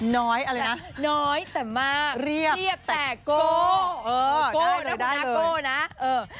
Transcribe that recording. น้อยอะไรนะเรียบแต่โก้โก้นะคุณฮะโก้นะได้เลยได้เลย